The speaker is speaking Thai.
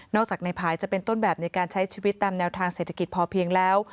จากในภายจะเป็นต้นแบบในการใช้ชีวิตตามแนวทางเศรษฐกิจพอเพียงแล้ว